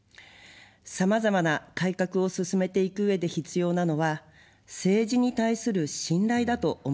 さまざまな改革を進めていくうえで必要なのは政治に対する信頼だと思います。